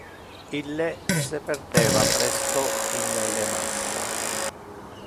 Ille se perdeva presto in le massa.